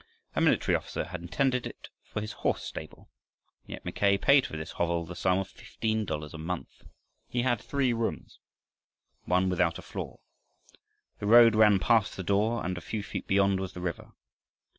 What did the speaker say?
A military officer had intended it for his horse stable, and yet Mackay paid for this hovel the sum of fifteen dollars a month. It had three rooms, one without a floor. The road ran past the door, and a few feet beyond was the river.